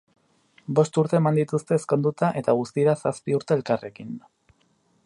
Bost urte eman dituzte ezkonduta eta guztira zazpi urte elkarrekin.